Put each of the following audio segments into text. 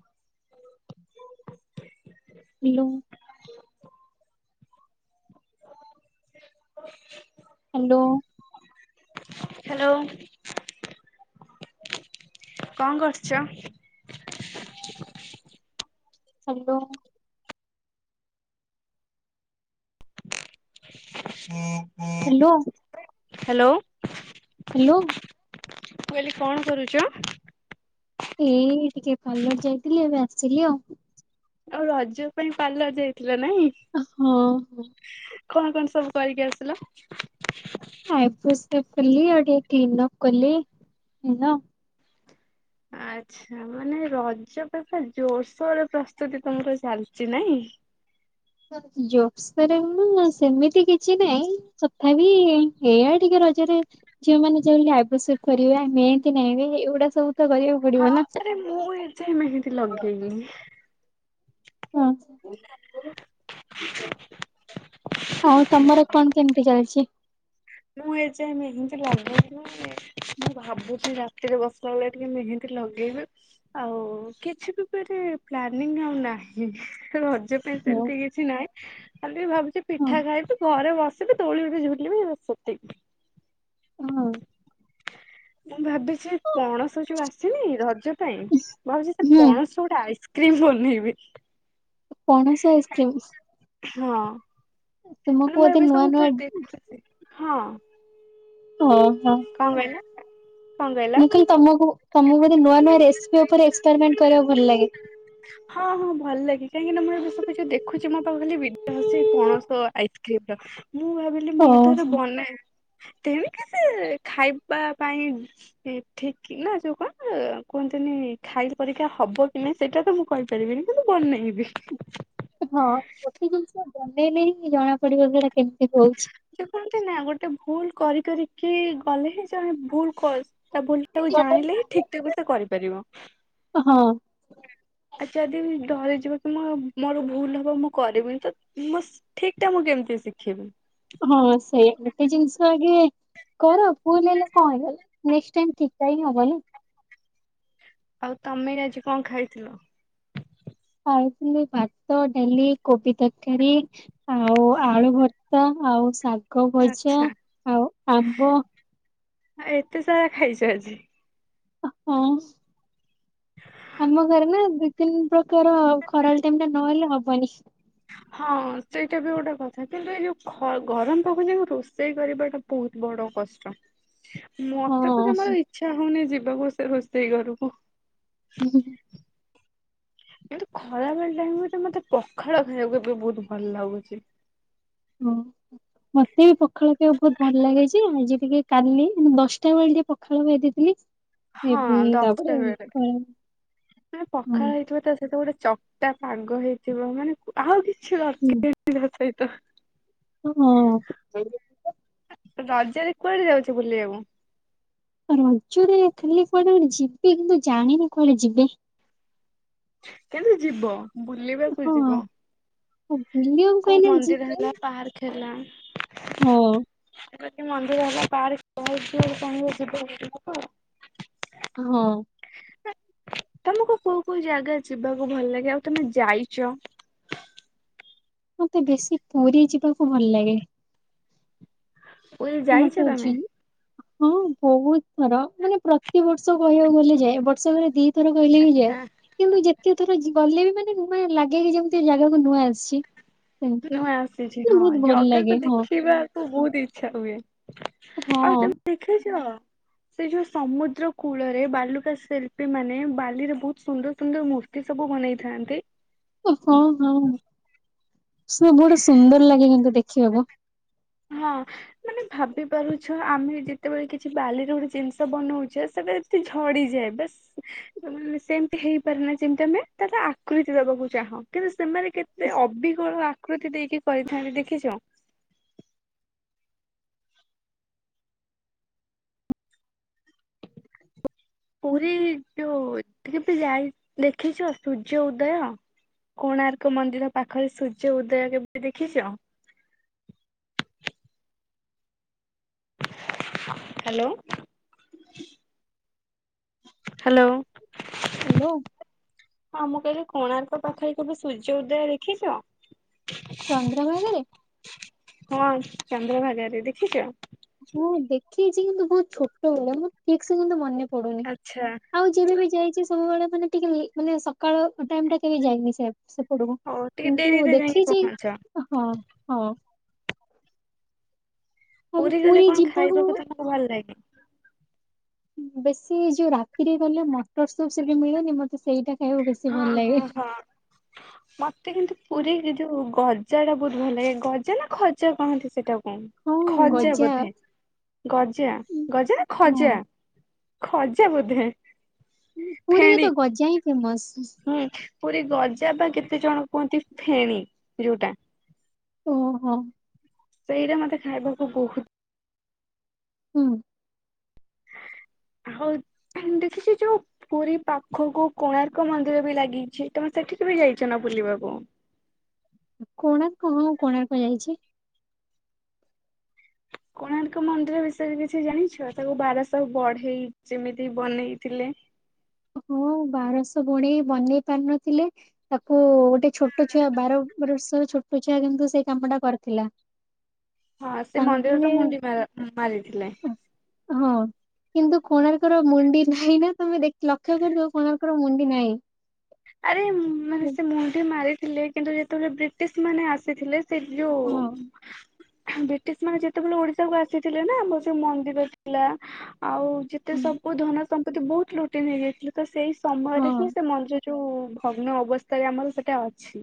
[inaudible] Hello [inaudible] [inaudible] hello hello କଣ କରୁଛ? Hello [inaudible] hello hello hello. ମୁଁ କହଲି କଣ କରୁଛ? ଏଇ ଟିକେ ପାର୍ଲର ଯାଇଥିଲି ଏବେ ଆସିଲି ଆଉ ଆଉ ରଜ ପାଇଁ ପାର୍ଲର ଯାଇଥିଲ ନାଇଁ ହଁ ହଉ କଣ କଣ ସବୁ କରିକି ଆସିଲ? ଆଇବ୍ରୋ ସେଭ୍ କଲି, ଆଉ ଟିକେ କ୍ଲିନ୍ ଅପ୍ କଲି ଏଇରା। ଆଚ୍ଛା, ମାନେ ରଜ ପାଇଁ ପୁରା ଜୋରସୋର ରେ ପ୍ରସ୍ତୁତି ତମର ଚାଲିଚି ନାଇଁ। [unintelligible] [unintelligible] ସେମିତି କିଛି ନାଇଁ, ତଥାପି ଏଇଆ ଟିକେ ରଜରେ ଝିଅମାନେ ଯାହା ହେଲେ ବି ଆଇବ୍ରୋ ସେଭ୍ କରିବେ, ମେହେନ୍ଦି ନାଇ ବେ ଏଇଗୁଡା ସବୁ ତ କରିବାକୁ ପଡିବ ହଁ ହଁ, ନା। ଆରେ ମୁଁ ଏ ଯାଏଁ ମେହେନ୍ଦି ଲଗେଇନି। [unintelligible] ଆଉ ତମର କଣ କେମିତି ଚାଲିଚି? ମୁଁ ଏଯାଏଁ ମେହେନ୍ଦି ଲଗେଇନି ମୁଁ ଭାବୁଚି ରାତିରେ ବସି ଗଲେ ଟିକେ ମେହେନ୍ଦି ଲଗେଇବି। ଆଉ କିଛି ବି ମାନେ ପ୍ଲାନିଂ ଆଉ ନାହିଁ। ରଜ ପାଇଁ ସେମତି ହଁ। କି କିଛି ନାହିଁ। ଖାଲି ବି ଭାବୁଚି ହଁ ପିଠା ଖାଇବି ଘରେ ବସିବି ଦୋଳି ରେ ଝୁଲିବି ବସ [unintelligible] [unintelligible] ମୁଁ ଭାବିଛି ପଣସ ଯୋଉ ଆସେନି ରଜ ପାଇଁ, ମୁଁ ଭାବୁଚି ସେ ହୁଁ ପଣସ ଗୋଟେ ଆଇସ୍କ୍ରିମ୍ ବନେଇବି। ପଣସ ଆଇସ୍କ୍ରିମ୍। ହଁ। ତୁମକୁ ମାନେ ମୁଁ ବୋଧେ ଏବେ ନୂଆ ସବୁ ନୂଆ ଉପରେ ଦେଖୁଚି। ହଁ। ଅ ହ। କଣ କହିଲ? କଣ କହିଲ? ମୁଁ କହିଲି ତମକୁ ତମକୁ ବୋଧେ ନୂଆ ନୂଆ ରେସିପି ଉପରେ ଏକ୍ସପେରିମେଣ୍ଟ କରିବାକୁ ଭଲ ଲାଗେ? ହଁ ହଁ ଭଲ ଲାଗେ। କାହିଁକି ନା ମୁଁ ଏବେ ସବୁ ଯଉ ଦେଖୁଚି ମୋ ପାଖକୁ ଖାଲି ଭିଡିଓ ଆସୁଚି ପଣସ ଆଇସ୍କ୍ରିମ୍ ର। ମୁଁ ଭାବିଲି ମୁଁ ବି ଥରେ ଓହୋ। ବନାଏ। ତେଣିକି ସେ ଖାଇବା ପାଇଁ ଏ ଠିକି ନା ଯୋଉ କଣ କୁହନ୍ତିନି ଖାଇଲା ପରିକା ହବ କି ନାଇଁ ସେଟା ତ ମୁଁ କହିପାରିବିନି କିନ୍ତୁ ବନେଇବି। ହଁ ଗୋଟେ ଜିନିଷ ବନେଇଲେ ହିଁ ଜଣା ପଡିବ ଯେ ହେଟା କେମିତି ହଉଚି। ଯେ କୁହନ୍ତି ନା ଗୋଟେ ଭୁଲ୍ କରି କରିିକି ଗଲେ ହିଁ ଜଣେ ଭୁଲ୍ କର ତା ଭୁଲ ଟାକୁ ଜାଣିଲେ ହିଁ ଠିକ୍ ଟାକୁ ସେ କରିପାରିବ। ହଁ। ଆଉ ଯଦି ଡରିଯିବ ତମ ମୋର ଭୁଲ୍ ହବ ମୁଁ କରିବିନି ତ ମୋ ଠିକ୍ ଟା ମୁଁ କେମିତି ଶିଖିବି। ହଁ ସେଇଆ। ଗୋଟେ ଜିନିଷ ଆଗେ କର ଭୁଲ୍ ହେଲେ କଣ ହେଇଗଲା। ନେଷ୍ଟ ଟାଇମ୍ ଠିକ୍ ଟା ହିଁ ହବ ହିଁ। ଆଉ ତମେ ଆଜି କଣ ଖାଇଥିଲ? ଖାଇଥିଲି ଭାତ, ଡାଲି, କୋବି ତରକାରୀ ଆଉ ଆଳୁଭର୍ତା ଆଉ ଶାଗ ଭଜା ଆଚ୍ଛା ଆଉ ଆମ୍ବ ଆ ଏତେ ସାରା ଖାଇଚ ଆଜି। ହଁ। ଆମ ଘରେ ନା ଦୁଇ ତିନି ପ୍ରକାର ଖରାବେଳ ଟାଇମ୍ ଟା ନହେଲେ ହବନି। ହଁ ସେଇଟା ବି ଗୋଟେ କଥା। କିନ୍ତୁ ଏଇ ଯୋଉ ଖ ଗରମ ଟା ହଉଚି ରୋଷେଇ କରିବାଟା ବହୁତ୍ ବଡ କଷ୍ଟ। ମତେ ତ ହଁ। ଜମାରୁ ଇଚ୍ଛା ହଉନି ଯିବାକୁ ସେ ରୋଷେଇ ଘରକୁ। ହୁଁ ହୁ କିନ୍ତୁ ଖରା ବେଳ ଟାଇମ୍ ରେ ମତେ ମତେ ପଖାଳ ଖାଇବାକୁ ଏବେ ବହୁତ୍ ଭଲ ଲାଗୁଚି। [unintelligible] ମତେ ବି ପଖାଳ ଖାଇବାକୁ ବହୁତ ଭଲ ଲାଗେ ଯେ ଆଜି ଟିକେ କାଲି ଦଶଟା ବେଳେ ଟିକେ ପଖାଳ ଖାଇ ଦେଇଥିଲି। ହଁ ଦଶଟା ବେଳେ [unintelligible] ମାନେ ପଖାଳ ହଁ ହେଇଥିବ ତା ସହିତ ଗୋଟେ ଚକଟା ପାଗ ହେଇଥିବ, ମାନେ ଆଉ କିଛି ଦ ହୁଁ। ଥାଇ ତ [unintelligible] ହୁଁ। ରଜରେ କୁଆଡେ ଯାଉଚ ବୁଲିବାକୁ? ରଜରେ କିଏ କୁଆଡ଼େ କୁଆଡେ ଯିବେ କିନ୍ତୁ ଜାଣିନି କୁଆଡେ ଯିବେ କିନ୍ତୁ ଯିବ ବୁଲିବାକୁ ଯିବ ହଁ। ବୁଲିବାକୁ କୋଉ ଫାଇନାଲି ମନ୍ଦିର ଯିବି ହେଲା ପାର୍କ ହେଲା ହଁ। ମନ୍ଦିର ହେଲା ପାର୍ କହିଁ ଯିବ ତ [unintelligible] ହଁ। ହେ ତମକୁ କୋଉ କୋଉ ଜାଗା ଯିବାକୁ ଭଲ ଲାଗେ ଆଉ ତମେ ଯାଇଚ? ମତେ ବେଶୀ ପୁରୀ ଯିବାକୁ ଭଲ ଲାଗେ ପୁରୀ ଯାଇଛ ମତେ ତମେ? ଜିନ୍‌। ହଁ ବହୁତ ଥର ମାନେ ପ୍ରତି ବର୍ଷ କହିବାକୁ ଗଲେ ଯାଏ ବର୍ଷ ଘରେ ଦି ଥର କହିଲେ ବି ଯାଏ ଆଚ୍ଛା କିନ୍ତୁ ଯେତେକେ ଜି ଥର ଗଲେ ବି ମାନେ ଲାଗେ କି ଯେମିତି ଜାଗାକୁ ନୂଆ ଆସିଛି ସେମିତି ମୁଁ ଆସିଛି ନା ହଁ ବହୁତ ଭଲ ଲାଗେ ଜଗାକୁ ହଁ ଦେଖିବା ତ ବହୁତ ଇଛା ହୁଏ ଆଉ ହଁ ତମେ ଦେଖିଛ? ସେ ଯୋଉ ସମୁଦ୍ର କୂଳରେ ବାଲୁକା ଶିଳ୍ପୀ ମାନେ ବାଲି ରେ ବହୁତ ସୁନ୍ଦର ସୁନ୍ଦର ମୂର୍ତ୍ତି ସେ ସବୁ ବନେଇଥାନ୍ତି। ହଁ ହଁ ସେ ବହୁତ ସୁନ୍ଦର ଲାଗେ କିନ୍ତୁ ଦେଖିବାକୁ ହାଁ ମାନେ ଭାବି ପାରୁଛ ଆମେ ଯେତେବେଳେ କିଛି ବାଲିରେ ଗୋଟେ ଜିନିଷ ବନଉଛେ ସେବେ ତ ଝଡିଯାଏ ବାସ୍। ସେମତି ହେଇପାରେ ନା ଯେମତି ଆମେ ତାର ଆକୃତି ଦବାକୁ ଚାହୁଁ କିନ୍ତୁ ସେମାନେ କେତେ ଅବିକଳ ଆକୃତି ଦେଇକି କରିଥାନ୍ତି ଦେଖିଛ? ପୁରୀ ଯୋଉ ଯାଇ ଦେଖିଛ ସୂର୍ଯ୍ୟ ଉଦୟ? କୋଣାର୍କ ମନ୍ଦିର ପାଖରେ ସୂର୍ଯ୍ୟ ଉଦୟ ହେବେ ଦେଖିଛ? Hello hello. ହ୍ୟଲୋ। ହଁ ମୁଁ କହିଲି କୋଣାର୍କ ପାଖରେ କେବେ ସୂର୍ଯ୍ୟ ଉଦୟ ଦେଖିଛ? ଚନ୍ଦ୍ରଭାଗ ରେ ହଁ ଚନ୍ଦ୍ରଭାଗରେ ଦେଖିଛ? ହଁ ଦେଖିଛି କିନ୍ତୁ ବହୁତ ଛୋଟ ବଳୁ ମୁ ଠିକ ସେ କିନ୍ତୁ ମନେ ପଡୁନି ଆଚ୍ଛା ଆଉ ଯେବେ ବି ଯାଇଛି ସବୁବେଳେ ମାନେ ଟିକେ ମାନେ ସକାଳ ଟାଇମ ଟା କେବେ ଯାଇନି ସେ ସେପଟକୁ ହଉ ଟିକେ କିନ୍ତୁ ଡେରିରେ ଯାଇକି ଦେଖିଛି ପହଞ୍ଚ ହଁ ହଁ। ଆଉ ପୁରୀ ଗଲେ କଣ ଯିବାକୁ ଖାଇବାକୁ ତମକୁ ଭଲ ଲାଗେ? ବେଶୀ ଯୋଉ ରାତିରେ ଗଲେ ମଟର ସୁପ୍ ସେଠି ମିଳେନି ମତେ ସେଇଟା ଖାଇବାକୁ ବେଶୀ ଭଲ ଲାଗେ। ହ। ମତେ କିନ୍ତୁ ପୁରୀ ଯୋଉ ଗଜା ଟା ବହୁତ ଭଲ ଲାଗେ ଗଜା ନା ଖଜା କହନ୍ତି ସେଟା କୁ? ହଁ ଖଜା ଗଜା ବୋଧେ ଗଜା ଗଜା ନା ହଁ ଖଜା। ଖଜା ବୋଧେ। ପୁରୀରେ ଫେଣି ତ ଗଜା ହିଁ ଫେମସ। ହୁଁ ପୁରୀ ଗଜା ବା କେତେ ଜଣ କୁହନ୍ତି ଫେଣି ଯୋଉଟା। ଓହୋ। ସେଇଟା ମତେ ଖାଇବାକୁ ବହୁତ ହୁଁ। ହଉ ଦେଖିଛି ଯୋଉ ପୁରୀ ପାଖକୁ କୋଣାର୍କ ମନ୍ଦିର ବି ଲାଗିଛି ତମେ ସେଠିକି ବି ଯାଇଛ ନା ବୁଲିବାକୁ? କୋଣାର୍କ ହଁ କୋଣାର୍କ ଯାଇଛି। କୋଣାର୍କ ମନ୍ଦିର ବିଷୟରେ କିଛି ଜାଣିଛ ତାକୁ ବାରଶହ ବଢେଇ ଯେମିତି ବନେଇଥିଲେ? ହଁ ବାରଶହ ବଢ଼େଇ ବନେଇ ପାରିନଥିଲେ ତାକୁ ଗୋଟେ ଛୋଟ ଛୁଆ ବାର ବରଷର ଛୋଟ ଛୁଆ କିନ୍ତୁ ସେଇ କାମଟା କରିଥିଲା। ହଁ ସେ ତାଙ୍କୁ ମନ୍ଦିରର ମାନେ ମୁଣ୍ଡି ମାର ମାରିଥିଲେ। ହଁ କିନ୍ତୁ କୋଣାର୍କର ମୁଣ୍ଡି ନାହିଁ ନା ତମେ ଦେ ଲକ୍ଷ୍ୟ କରିଥିବ କୋଣାର୍କର ମୁଣ୍ଡି ନାହିଁ। ଆରେ ମାନେ ସେ ମୁଣ୍ଡି ମାରିଥିଲେ, କିନ୍ତୁ ଯେତେବେଳେ ବ୍ରିଟିଶ ମାନେ ଆସିଥିଲେ। ସେ ଯୋଉ ହଁ ବ୍ରିଟିଶ ମାନେ ଯେତେବେଳେ ଓଡିଶାକୁ ଆସିଥିଲେ ନା ବହୁତ୍ ମନ୍ଦିର ଥିଲା। ଆଉ ଯେତେ ହୁଁ, ସବୁ ଧନ ସମ୍ପତ୍ତି ବହୁତ ଲୁଟି ନେଇଯାଇଥିଲେ ତ ସେଇ ହଁ ସମୟରେ ହିଁ ସେ ମନ୍ଦି ଯୋଉ ଭଗ୍ନ ଅବସ୍ଥାରେ ଆମର ସେଟା ଅଛି,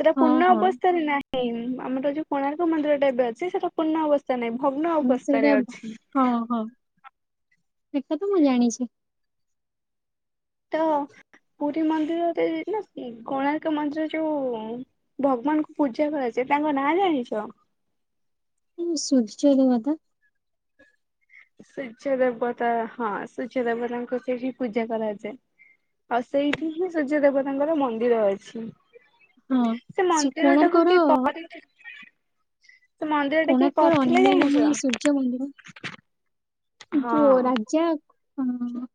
ସେଟା ହଁ ପୂର୍ଣ୍ଣ ହଁ ଅବସ୍ଥାରେ ନା ସେଇ ଆମର ଯୋଉ କୋଣାର୍କ ମନ୍ଦିରଟା ଏବେ ଅଛି ସେଟା ପୂର୍ଣ୍ଣ ଅବସ୍ଥା ନାହିଁ ଭଗ୍ନ ଉଁ, ସେଇଟା ଅବସ୍ଥାରେ ଅଛି। ହଁ ହଁ ସେ କଥା ମୁଁ ଜାଣିଛି। ତ ପୁରୀ ମନ୍ଦିରରେ ନା କୋଣାର୍କ ମନ୍ଦିର ଯୋଉ ଭଗବାନଙ୍କୁ ପୂଜା କରାଯାଏ ତାଙ୍କ ନାଁ ଜାଣିଚ? ହୁଁ ସୁର୍ଯ୍ୟଦେବତା। ସୂର୍ଯ୍ୟଦେବତା ହଁ ସୂର୍ଯ୍ୟଦେବତାଙ୍କୁ ସେଠି ପୂଜା କରାଯାଏ। ଆଉ ସେଇଠି ହିଁ ସୂର୍ଯ୍ୟଦେବତାଙ୍କର ମନ୍ଦିର ଅଛି। ହଁ। ସେ ସୁ- ମନ୍ଦିର ଟାକୁ କିଏ କୋଣାର୍କର କରିଥିଲେ? ସେ ମନ୍ଦିରଟା କିଏ କରିଥିଲେ ଜାଣିଛ? ସୂର୍ଯ୍ୟମନ୍ଦିର ଯୋଉ ହଁ ରାଜା କଣ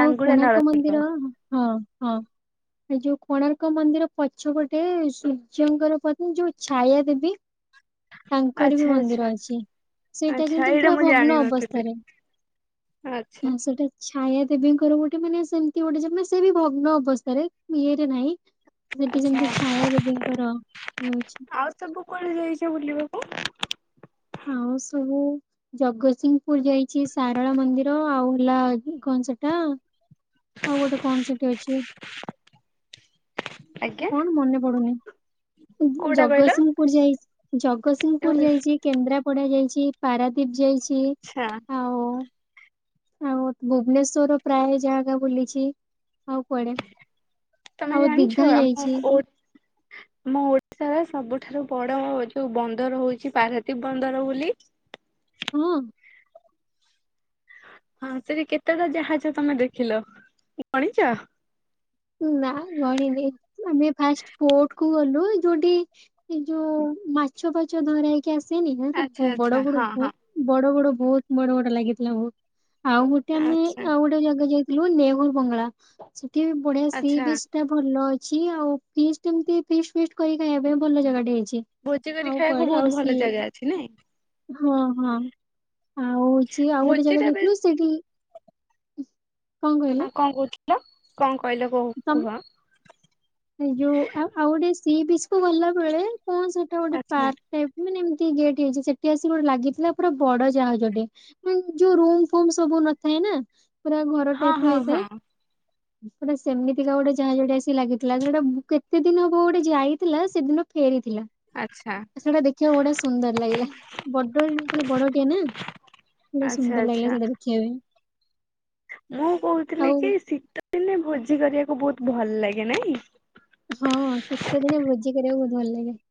ଆଉ କୋଣାର୍କ ନରସିଂହ ମନ୍ଦିର ହଁ ହଁ। ଏ ଯୋଉ କୋଣାର୍କ ମନ୍ଦିର ପଛପଟେ ସୂର୍ଯ୍ୟଙ୍କର ପତ୍ନୀ ଯୋଉ ଛାୟା ଦେବୀ। ତାଙ୍କର ବି ଆଚ୍ଛା ମନ୍ଦିର ଅଛି ଆଚ୍ଛା ସେଇଟା କିନ୍ତୁ ଛାୟା ଟା ପୁରା ମୁଁ ଭଗ୍ନ ଜାଣିିନଥିଲି। ଅବସ୍ଥାରେ। ଆଚ୍ଛା। ହଁ ସେଟା ଛାୟା ଦେବୀଙ୍କର ଗୋଟେ ମାନେ ସେମିତି ଗୋଟେ ଯେ ମାନେ ସେ ବି ଭଗ୍ନ ଅବସ୍ଥାରେ ଇଏରେ ନାହିଁ। ସେଠି ଆଚ୍ଛା। ସେମିତି ଛାୟା ଦେବୀଙ୍କର ହେଉଛି। ଆଉ ସବୁ କୁଆଡେ ଯାଇଛ ବୁଲିବାକୁ? ଆଉ ସବୁ ଜଗତସିଂହପୁର ଯାଇଛି ସାରଳା ମନ୍ଦିର ଆଉ ହେଲା କନ ସେଇଟା ଆଉ ଗୋଟେ କଣ ସେଠି ଅଛି? ଆଜ୍ଞା କଣ ମନେ ପଡୁନି କୋଉଟା କହିଲ? ଜଗତସିଂହପୁର ଯାଇ ଜଗତସିଂହପୁର ଯାଇଛି। କେନ୍ଦ୍ରାପଡା ଯାଇଛି, ପାରାଦ୍ଵୀପ ଯାଇଛି। ଆଚ୍ଛା। ଆଉ ଆଉ ଭୁବନେଶ୍ୱର ପ୍ରାୟ ଜାଗା ବୁଲିଛି ଆଉ କୁଆଡେ। ତମେ ଆଉ ଦିଘା ଜାଣିଛ ଆମ ଯାଇଛି ଓ ଆମ ଓଡିଶାର ସବୁଠାରୁ ବଡ ଯୋଉ ବନ୍ଦର ହଉଛି ପାରାଦ୍ବୀପ ବନ୍ଦର ବୋଲି। ହଁ। ହଁ ସେଠି କେତେଟା ଜାହାଜ ତମେ ଦେଖିଲ ଗଣିଛ? ନା ଗଣିନି ଆମେ ଫାଷ୍ଟ କୋଟ କୁ ଗଲୁ ଯୋଉଠି? ସେଇ ଯୋଉ ମାଛ ପାଛ ଧରା ହେଇ କି ଆସେନି ଏ ଆଚ୍ଛା ଆଚ୍ଛା ବଡ ବଡ ହଁ ବହୁ ହଁ ବଡ ବଡ ବହୁତ ବଡ ବଡ ଲାଗିଥିଲା ବହୁତ। ଆଉ ଗୋଟେ ଆମେ ଆଚ୍ଛା ଆଉ ଗୋଟେ ଜାଗା ଯାଇଥିଲୁ ନେହୁର ବଙ୍ଗଳା, ସେଠି ବି ବଢିଆ ସି ଆଚ୍ଛା ବିଜ୍ ଟା ଭଲ ଅଛି ଆଉ ପିଷ୍ଟ ଏମତିି ଫିଷ୍ଟ ଫିଷ୍ଟ କରି ଖାଇବା ପାଇଁ ଭଲ ଜାଗାଟେ ହେଇଛି। ଭୋଜି କରି ଆଉ ଖାଇବାକୁ କୁଆଡେ ଆଉ ବହୁତ ସି ଭଲ ଜାଗା ଅଛି ନାଇଁ? ହଁ ହଁ ଆଉ ହଉଛି ଆଉ ଗୋଟେ ଭୋଜି ଜାଗା ଟା ବେଶ ଯାଇଥିଲୁ ସେଠି ହ ହଁ କଣ କହୁଥିଲ କଣ କହିଲ କୋ ତମ କୁହ? ଯୋଉ ଆଉ ଗୋଟେ ସି ବିଚ କୁ ଗଲା ବେଳେ କଣ ସେଟା ଗୋଟେ ପା ଆଚ୍ଛା ମାନେ ଏମିତି ଗେଟ୍ ହେଇଛି ସେଠି ଆସି ଗୋଟେ ଲାଗିଥିଲା ପୁରା ବଡ ଯାହା ଯଟେ। ଯୋଉ ରୁମ ଫୁମ ସବୁ ନଥାଏ ନା ପୁରା ଘର ହଁ ଟାଇପ ର ହଁ ହେଇଥାଏ ହଁ ପୁରା ସେମିତିକା ଗୋଟେ ଜାହାଜଟେ ଆସି ଲାଗି ଥିଲା ସେଟା କେତେ ଦିନ ହବ ଗୋଟେ ଯାଇଥିଲା? ସେଦିନ ଫେରିଥିଲା। ଆଚଛା। ସେଟା ଦେଖିବାକୁ ବଢ଼ିଆ ସୁନ୍ଦର ଲାଗିଲା ବଡ କ ବଡଟିଆ ନା। ବା ଆଚ୍ଛା ସୁନ୍ଦର ଲାଗିଲ ଆଚ୍ଛା। ସେଟା ଦେଖିଆ ପାଇଁ। ମୁଁ କହୁଥିଲି କି ଆଉ ଶୀତ ଦିନେ ଭୋଜି କରିବାକୁ ବହୁତ ଭଲ ଲାଗେ ନାଇଁ। ହଁ ଶୀତ ଦିନେ ଭୋଜି କରିବାକୁ ବହୁତ ଭଲ ଲାଗେ।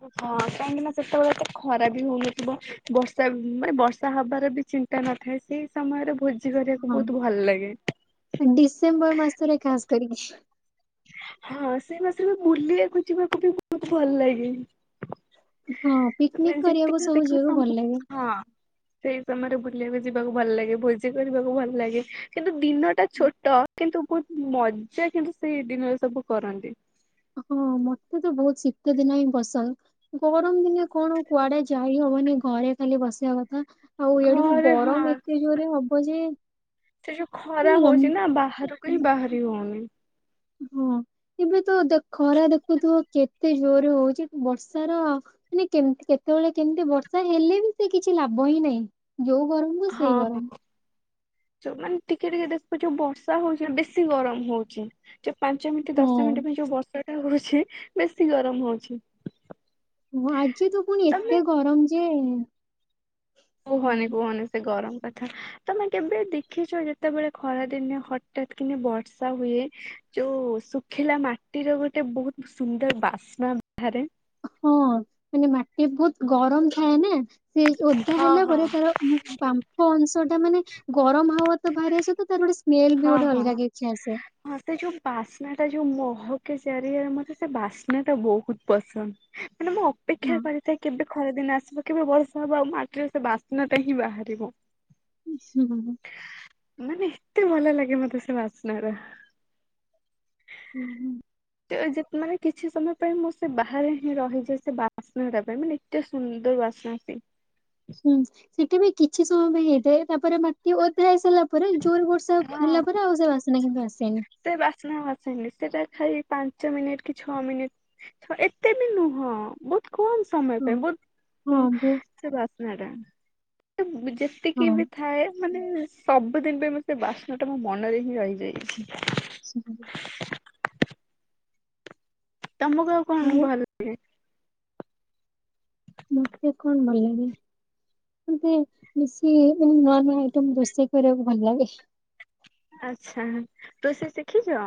ହଁ କାହିଁକି ନା ସେତେବେଳେ ତ ଖରା ବି ହଉନଥିବ ବର୍ଷା ମାନେ ବର୍ଷା ହବାର ବି ଚି ତା ନଥାଏ ସେଇ ସମୟରେ ଭୋଜି କରିବାକୁ ହଁ। ବହୁତ ଭଲ ଲାଗେ। ଡିସେମ୍ବର ମାସ ରେ ଖାସ କରିକି। ହଁ ସେଇ ମାସରେ ବୁଲିଆକୁ ଯିବାକୁ ବି ବହୁତ ଭଲ ଲାଗେ। ହଁ ପିକନିକ ମାନେ କରିବାକୁ ଯେତିକି ସବୁ ଯିବାକୁ ଦେଖିବା ଭଲ ଲାଗେ। ହଁ। ସେଇ ସମୟରେ ବୁଲିବାକୁ ଯିବାକୁ ଭଲ ଲାଗେ ଭୋଜି କରିବାକୁ ଭଲ ଲାଗେ। କିନ୍ତୁ ଦିନ ଟା ଛୋଟ କିନ୍ତୁ ବହୁତ ମଜା କିନ୍ତୁ ସେଇ ଦିନରେ ସବୁ କରନ୍ତି। ହଁ ମତେ ତ ବହୁତ ଶୀତଦିନ ହିଁ ବସନ୍ଦ। ଗରମ ଦିନେ କଣ କୁଆଡେ ଯାଇ ହବନି ଘରେ ଖାଲି ବସିବା କଥା। ଆଉ ଇଆଡି ବି ଘରେ ହଁ ଗରମ ଏତେ ଜୋରରେ ହବ ଯେ ସେ ଯୋଉ ଖରା ଜମା ହଉଛି ନା ବାହାରକୁ ହିଁ ବାହାରି ହଉନି। ହଁ ଏବେ ତ ଦେ ଖରା ଦେଖୁଥିବ କେତେ ଜୋରେ ହଉଛି ବର୍ଷାର ମାନେ କେମତି କେତେବେଳେ କେମିତି ବର୍ଷା ହେଲେ ବି ସେ କିଛି ଲାଭ ହିଁ ନାହିଁ ଯୋଉ ଗରମ ହଁ ସେଇ ହଁ। ମାନେ ଟିକେ ଟିକେ ଦେଖୁ ଯୋଉ ବର୍ଷା ହଉଛି ବେଶୀ ଗରମ ହଉଛି। ଯୋଉ ପାଞ୍ଚ ମିନିଟ ଦଶ ମିନିଟ୍ ହଁ ପାଇଁ ଯୋଉ ବର୍ଷା ଟା ହଉଛି ବେଶୀ ଗରମ ହଉଛି। ଓ ଆଜି ତୁ ପୁଣି ତମେ ଏତେ ଗରମ ଯେ କୁହନି କୁହନି ସେ ଗରମ କଥା ତମେ କେବେ ଦେଖିଛ ଯେତେବେଳେ ଖରାଦିନ ହଠାତ୍ କି ବର୍ଷା ହୁଏ ଯୋଉ ଶୁଖିଲା ମାଟିର ଗୋଟେ ବହୁତ ସୁନ୍ଦର ବାସ୍ନା ଠାରେ ହଁ ମାନେ ମାଟି ବହୁତ ଗରମ ଥାଏ ନା ସେ ଓଦା ହଁ ହେଲା ହଁ। ପରେ ତାର ବାମ୍ଫ ଅଂଶ ଟା ମାନେ ଗରମ ହାୱା ତ ବାହାରି ଆସ ତ ତାରୁଡ଼ି ଶ୍ ମେଲ ବି ହଁ ଗୋଟେ ହଁ ଅଲଗା କିଛି ଆସେ। ହଁ ସେ ଯୋଉ ବାସ୍ନା ଟା ଯୋଉ ମହକେ ଚାରିଆରେ ମତେ ସେ ବାସ୍ନା ଟା ବହୁତ ପସନ୍ଦ।। ମାନେ ମୁଁ ଅପେକ୍ଷା ହଁ। କରିଥାଏ କେବେ ଖରାଦିନ ଆସିବ? କେବେ ବର୍ଷା ହବ ଆଉ ମାଟିରେ ସେ ବାସ୍ନାଟା ହିଁ ବାହାରିବ। [unintelligible] ମାନେ ଏତେ ଭଲ ଲାଗେ ମତେ ସେ ବାଶ୍ନାଟା। ହୁଁ ହୁଁ। ଜେତ୍ ମାନେ କିଛି ସମୟ ପାଇଁ ମୁଁ ସେ ବାହାରେ ହିଁ ରହିଯାଏ ସେ ବାସ୍ନାଟା ପାଇଁ ମାନେ ଏତେ ସୁନ୍ଦର ବାସ୍ନା ସେ। ହୁଁ ସେଠି ବି କିଛି ସମୟ ପାଇଁ ହେଇଥାଏ ତାପରେ ମାଟି ଓଦା ହେଇ ସାରିଲା ପରେ ଜୋର ବୋର୍ଷା ହଁ ହେଲା ପରେ ଆଉ ସେ ବାସନା କିନ୍ତୁ ଆସେନି। ସେ ବାସ୍ନା ଆଉ ଆସେନି ସେଟା ଖାଲି ପାଞ୍ଚ ମିନିଟ୍ କି ଛଅ ମିନିଟ୍ ଏତେ ବି ନୁହଁ ବହୁତ କମ ସମୟ ହଁ ପାଇଁ ବହୁତ ହଁ ବୋ ସେ ବାସ୍ନାଟା ଯେ ତିକି ହଁ ବି ଥାଏ ମାନେ ସବୁଦିନ ପାଇଁ ମୁଁ ସେ ବାସ୍ନା ଟା ମୋ ମନରେ ହିଁ ରହିଯାଇଛି। [inaudible] ତମକୁ ଆଉ କଣ ଭଲ ମତେ କଣ ଭଲ ଲାଗେ? ମତେ ବେଶି ମାନେ ନୂଆ ନୂଆ ଆଇଟମ୍ ରୋଷେଇ କରିବାକୁ ଭଲ ଲାଗେ। ଆଚ୍ଛା ରୋଷେଇ ଶିଖିଛ?